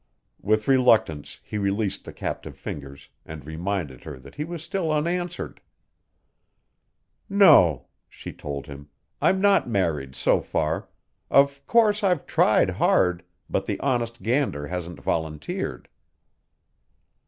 With reluctance he released the captive fingers and reminded her that he was still unanswered. "No," she told him, "I'm not married so far of course I've tried hard, but the honest gander hasn't volunteered."